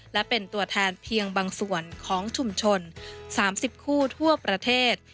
และเป็นตัวแทนเพียงบางส่วนของชุมชน๓๐คู่ทั่วประเทศ